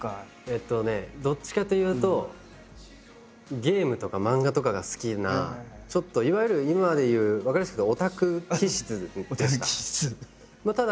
えっとねどっちかというとゲームとか漫画とかが好きなちょっといわゆる今でいう分かりやすくいうとオタク気質でした。